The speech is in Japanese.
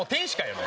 お前。